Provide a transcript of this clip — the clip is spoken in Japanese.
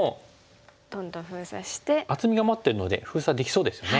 厚みが待ってるので封鎖できそうですよね。